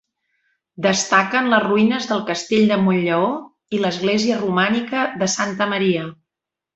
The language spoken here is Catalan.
Destaquen les ruïnes del Castell de Montlleó i l'església romànica de Santa Maria.